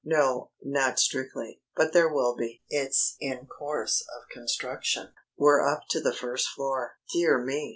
"No; not strictly. But there will be. It's in course of construction. We're up to the first floor." "Dear me!